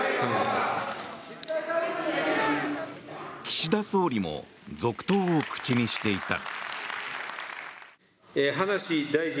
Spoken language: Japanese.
岸田総理も続投を口にしていた。